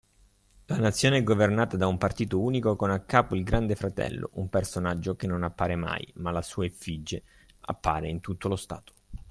La nazione è governata da un partito unico con a capo Il Grande Fratello, un personaggio che non appare mai, ma la sua effige appare in tutto lo stato.